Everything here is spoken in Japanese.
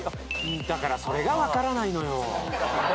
だからそれが分からないのよ。